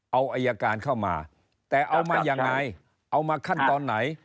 เอาอายการเข้ามาแต่เอามายังไงเอามาขั้นตอนไหน